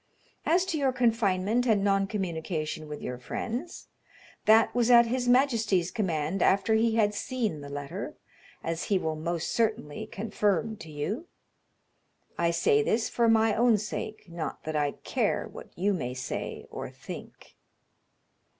As to your confinement and non communication with your friends, that was at his majesty's command after he had seen the letter, as he will most certainly confirm to you. I say this for my own sake, not that I care what you may say or think."